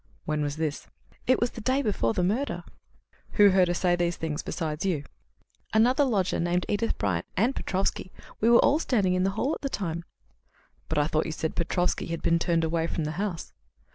"When was this?" "It was the day before the murder." "Who heard her say these things besides you?" "Another lodger named Edith Bryant and Petrofsky. We were all standing in the hall at the time." "But I thought you said Petrofsky had been turned away from the house."